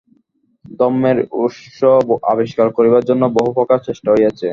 ধর্মের উৎস আবিষ্কার করিবার জন্য বহু প্রকার চেষ্টা হইয়াছে।